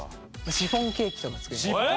シフォンケーキとか作ります。